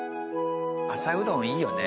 朝うどんいいよね。